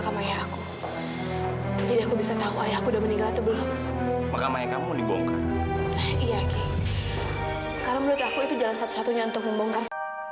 karena menurut aku itu jalan satu satunya untuk membongkar